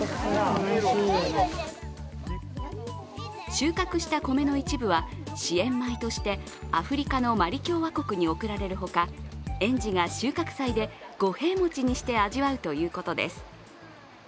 収穫したコメの一部は支援米としてアフリカのマリ共和国に送られるほか、園児が収穫祭で、五平餅にして味わうということです。